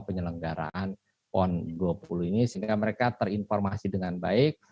penyelenggaraan pon dua puluh ini sehingga mereka terinformasi dengan baik